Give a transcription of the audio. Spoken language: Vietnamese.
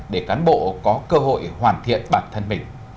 để cán bộ có cơ hội hoàn thiện bản thân mình